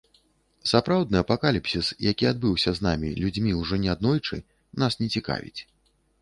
Сапраўдны апакаліпсіс, які адбыўся з намі, людзьмі, ужо не аднойчы, нас не цікавіць.